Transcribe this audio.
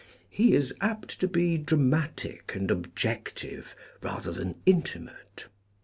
He is apt to be dramatic and objective rather than intimate.